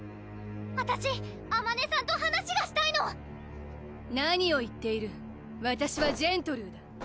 あたしあまねさんと話がしたいの何を言っているわたしはジェントルーだ！